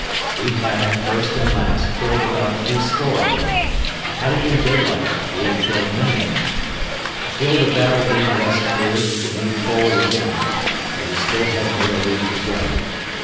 We had, first and last, killed about threescore of them, and had it been daylight we had killed many more. The field of battle being thus cleared, we made forward again, for we had still near a league to go.